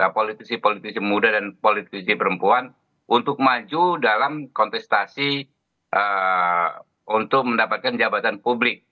politisi politisi muda dan politisi perempuan untuk maju dalam kontestasi untuk mendapatkan jabatan publik